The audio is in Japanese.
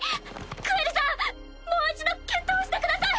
グエルさんもう一度決闘してください！